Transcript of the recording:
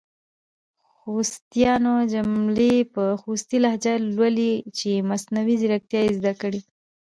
خوستیانو جملي په خوستې لهجه لولۍ چې مصنوعي ځیرکتیا یې زده کړې!